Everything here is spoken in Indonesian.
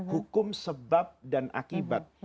hukum sebab dan akibat